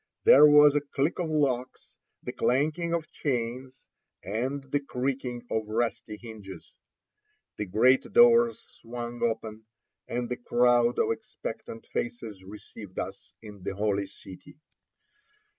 There was a click of locks, the clanking of chains, and the creaking of rusty hinges. The great doors swung open, and a crowd of expectant faces received us in the Holy City.